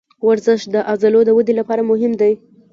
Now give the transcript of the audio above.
ورزش د عضلو د ودې لپاره مهم دی.